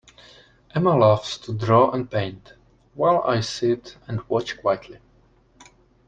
Emma loves to draw and paint, while I sit and watch quietly